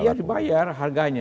iya dibayar harganya